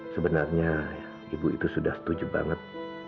sebenarnya ibu itu sudah setuju banget